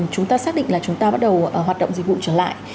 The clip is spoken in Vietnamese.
chúng ta xác định là chúng ta bắt đầu hoạt động dịch vụ trở lại